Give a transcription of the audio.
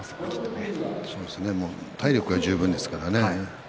体力はもう十分ですからね。